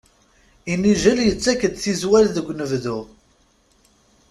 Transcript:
Inijel yettak-d tizwal deg unebdu.